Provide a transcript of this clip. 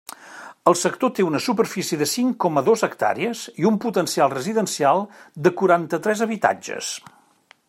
El sector té una superfície de cinc coma dos hectàrees i un potencial residencial de quaranta-tres habitatges.